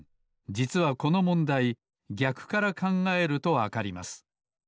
じつはこのもんだいぎゃくからかんがえるとわかります。